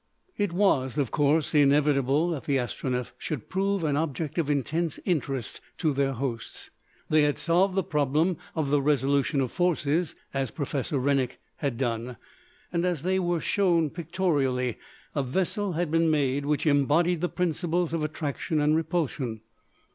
It was, of course, inevitable that the Astronef should prove an object of intense interest to their hosts. They had solved the problem of the Resolution of Forces, as Professor Rennick had done, and, as they were shown pictorially, a vessel had been made which embodied the principles of attraction and repulsion.